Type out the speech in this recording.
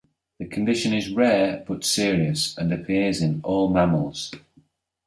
The condition is rare but serious, and appears in all mammals.